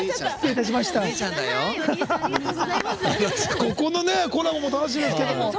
ここのコラボも楽しみですけど。